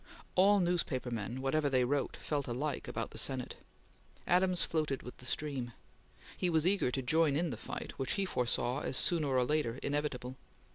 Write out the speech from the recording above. All newspaper men, whatever they wrote, felt alike about the Senate. Adams floated with the stream. He was eager to join in the fight which he foresaw as sooner or later inevitable.